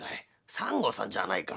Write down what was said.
サンゴさんじゃないか。